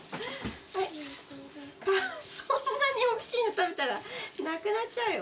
そんなにおっきいの食べたらなくなっちゃうよ。